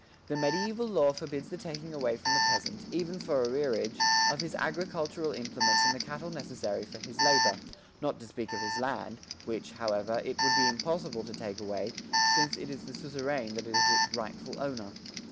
The mediæval law forbids the taking away from the peasant, even for arrearage, of his agricultural implements and the cattle necessary for his labour, not to speak of his land, which, however, it would be impossible to take away, since it is the suzerain that is its rightful owner.